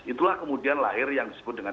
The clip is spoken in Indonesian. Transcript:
itulah kemudian lahir yang disebut dengan